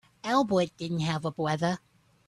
Albert didn't have a brother.